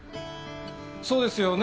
そうですよね？